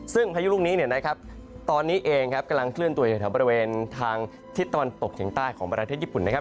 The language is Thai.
ซึ่งพายุลูกนี้เนี่ยนะครับตอนนี้เองครับกำลังเคลื่อนตัวอยู่แถวบริเวณทางทิศตะวันตกเฉียงใต้ของประเทศญี่ปุ่นนะครับ